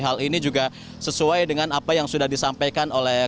hal ini juga sesuai dengan apa yang sudah disampaikan oleh